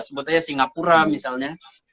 sebut saja singapura misalnya